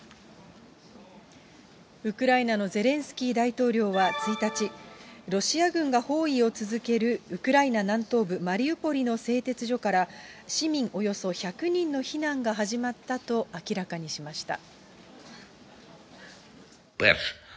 ウクライナのゼレンスキー大統領は１日、ロシア軍が包囲を続けるウクライナ南東部マリウポリの製鉄所から、市民およそ１００人の避難が始まったと明らかにしました。